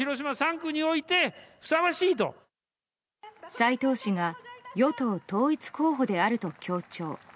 斉藤氏が与党統一候補であると強調。